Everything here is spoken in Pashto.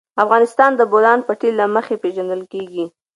افغانستان د د بولان پټي له مخې پېژندل کېږي.